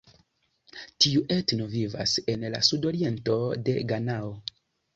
Tiu etno vivas en la sudoriento de Ganao.